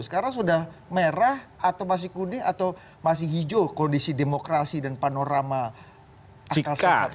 sekarang sudah merah atau masih kuning atau masih hijau kondisi demokrasi dan panorama akal sehat